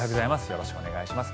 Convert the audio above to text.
よろしくお願いします。